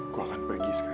gue akan pergi sekarang